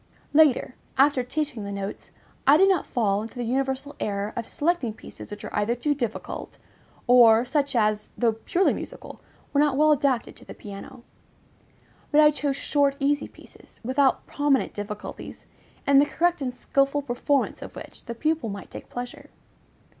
Later, after teaching the notes, I did not fall into the universal error of selecting pieces which were either too difficult, or such as, though purely musical, were not well adapted to the piano; but I chose short, easy pieces, without prominent difficulties, in the correct and skilful performance of which the pupil might take pleasure.